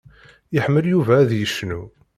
Iḥemmel Yuba ad yecnu.